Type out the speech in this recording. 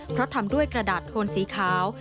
เพราะทำด้วยกระดาษโทนสีขาว